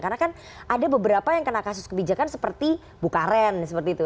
karena kan ada beberapa yang kena kasus kebijakan seperti bu karen seperti itu